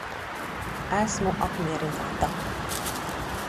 Esmu apmierināta.